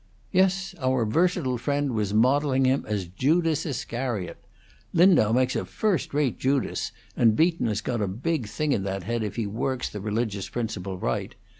"Yes, our versatile friend was modelling him as Judas Iscariot. Lindau makes a first rate Judas, and Beaton has got a big thing in that head if he works the religious people right.